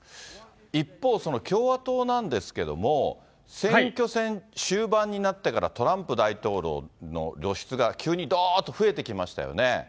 一方、共和党なんですけれども、選挙戦終盤になってからトランプ大統領の露出が急にどーんと増えてきましたよね。